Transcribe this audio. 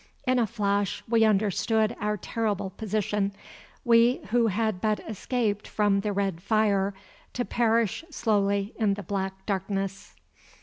In a flash, we understood our terrible position, we who had but escaped from the red fire to perish slowly in the black darkness.